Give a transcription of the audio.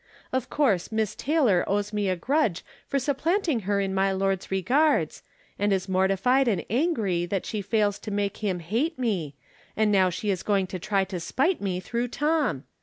Of course Miss Taylor owes me a grudge for supplanting her in my lord's regards, and is mor tified and angry that she fails to make him hate me, and now she is going to try to spite me through Tom.